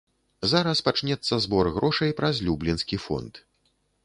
Зараз пачнецца збор грошай праз люблінскі фонд.